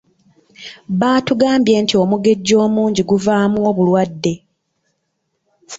Batugambye nti omugejjo omungi guvaamu obulwadde.